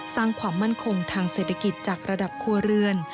สร้างความมั่นคงทางเศรษฐกิจจากระดับครัวเรือน